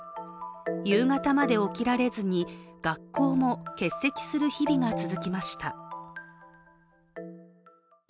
夕方まで起きられずに、学校も欠席する日々が続きました。